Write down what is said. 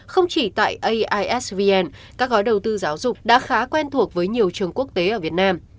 không chỉ tại aisvn các gói đầu tư giáo dục đã khá quen thuộc với nhiều trường quốc tế ở việt nam